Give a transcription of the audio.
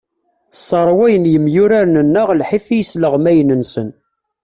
Sserwayen yemyurar-nneɣ lḥif i yisleɣmayen-nsen.